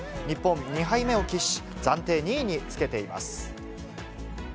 日本、２敗目を喫し、暫定２位につけています。